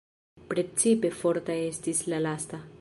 Precipe forta estis la lasta.